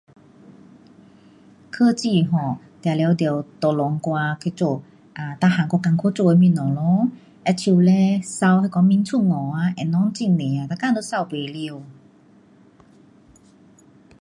科技 um 当然得 tolong 我去做 um 每样我困苦做的东西咯。好像嘞扫那个棉床下啊，灰尘很多啊，每天都扫不完。